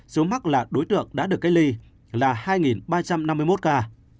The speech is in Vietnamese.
số mắc là đối tượng đã được cách ly là hai ba trăm năm mươi một ca